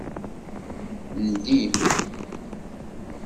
Ndi.